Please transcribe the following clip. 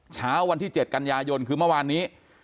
เช้าวันที่๗กันยายนคือเมื่อวานนี้